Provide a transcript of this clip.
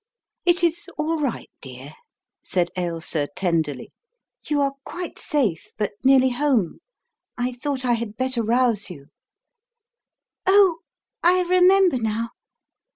"It is all right, dear," said Ailsa, tenderly, "you are quite safe but nearly home. I thought I had better rouse you." "Oh, I remember now."